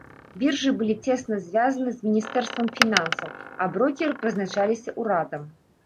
Біржы былі цесна звязаны з міністэрствам фінансаў, а брокеры прызначаліся ўрадам.